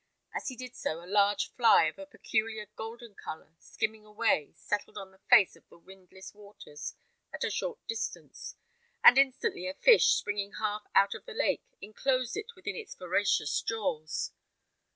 As he did so, a large fly, of a peculiar golden colour, skimming away, settled on the face of the windless waters at a short distance, and instantly a fish, springing half out of the lake, enclosed it within its voracious jaws.